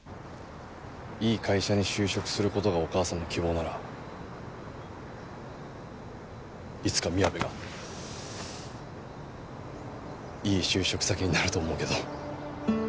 いい会社に就職する事がお母さんの希望ならいつかみやべがいい就職先になると思うけど。